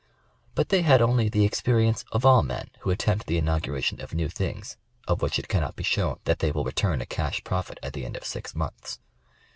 But they had only the experience of all men who attempt the inauguration of new things of which it cannot be shown that they will return a cash profit at the end of six months.